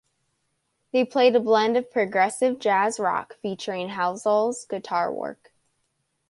They played a blend of progressive Jazz rock featuring Halsall's guitar work.